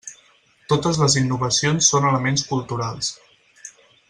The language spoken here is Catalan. Totes les innovacions són elements culturals.